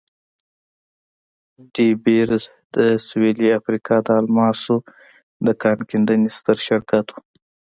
ډي بیرز د سوېلي افریقا د الماسو د کان کیندنې ستر شرکت وو.